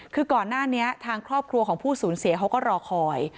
คือก่อนหน้านี้ทางครอบครัวของผู้สูญเสียเขาก็รอคอย